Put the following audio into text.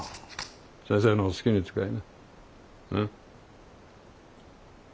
先生の好きに使いな。